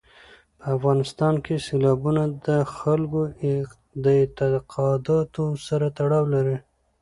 په افغانستان کې سیلابونه د خلکو د اعتقاداتو سره تړاو لري.